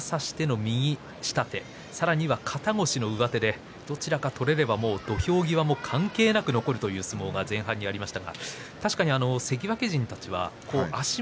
右を差しての右下手さらには肩越しの下でどちらも取れれば土俵際関係なく残るという相撲前半はありました。